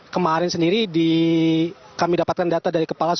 kemarin sendiri kami dapatkan data dari kepulauan seribu